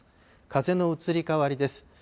風の移り変わりです。